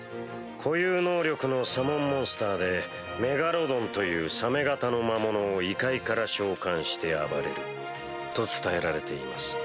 固有能力のサモンモンスターでメガロドンというサメ型の魔物を異界から召喚して暴れると伝えられています。